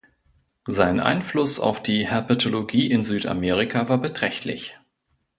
Sein Einfluss auf die Herpetologie in Südamerika war beträchtlich.